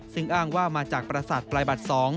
ซึ่งอ้างว่ามาจากประสาทปลายบัตร๒